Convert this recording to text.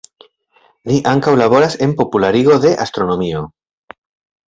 Li ankaŭ laboras en popularigo de astronomio.